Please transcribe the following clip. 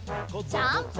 ジャンプ！